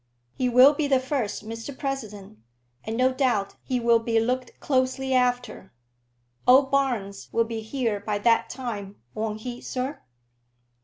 "He will be the first, Mr President; and no doubt he will be looked closely after. Old Barnes will be here by that time, won't he, sir?"